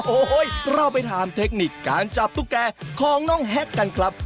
โอ้โหเราไปถามเทคนิคการจับตุ๊กแก่ของน้องแฮ็กกันครับ